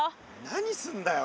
何すんだよ？